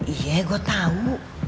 iya gue tahu